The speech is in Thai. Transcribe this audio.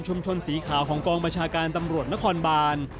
ชุมชนสีข่าวของกองมชาการตำรวจนครบาน